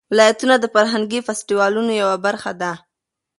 ولایتونه د فرهنګي فستیوالونو یوه برخه ده.